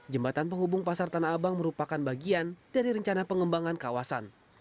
jembatan penghubung pasar tanah abang merupakan bagian dari rencana pengembangan kawasan